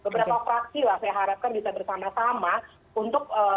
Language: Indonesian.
beberapa fraksi lah saya harapkan bisa bersama sama untuk